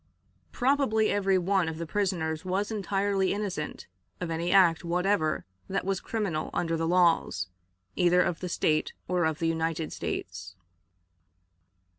Probably every one of the prisoners was entirely innocent of any act whatever that was criminal under the laws, either of the State or of the United States.